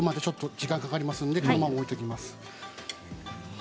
時間がかかりますのでこのまま置いておきます。